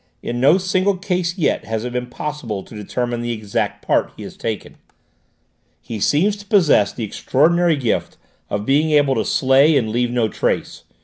In no single case yet has it been possible to determine the exact part he has taken. He seems to possess the extraordinary gift of being able to slay and leave no trace.